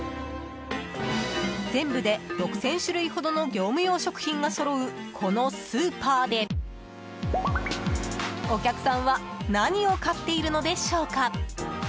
全部で６０００種類ほどの業務用食品がそろうこのスーパーで、お客さんは何を買っているのでしょうか。